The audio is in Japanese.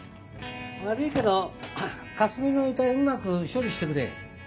悪いけどかすみの遺体うまく処理してくれ。